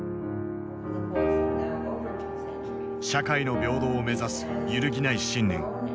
社会の平等を目指す揺るぎない信念。